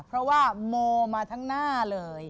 เพราะว่าโมมาทั้งหน้าเลย